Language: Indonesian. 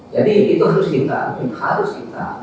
jadi itu harus kita harus kita